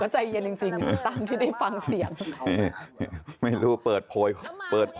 ใจเย็นไหมตำรวจ